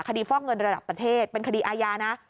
ฟอกเงินระดับประเทศเป็นคดีอาญานะ